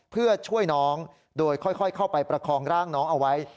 เพื่อช่วยน้องโดยค่อยเข้าไปประคองร่างน้องเอาไว้